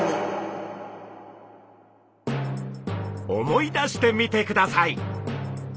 思い出してみてください！